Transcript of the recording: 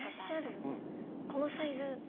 このサイズ？